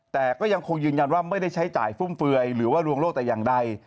แต่ก็ยังคงยืนยันว่าไม่ได้ใช้จ่ายฟุ่มเฟือยหรือว่าลวงโลกแต่อย่างใด